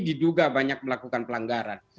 diduga banyak melakukan pelanggaran